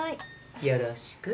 よろしく。